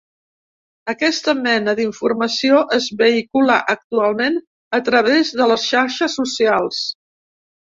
Aquesta mena d’informació es vehicula actualment a través de les xarxes socials.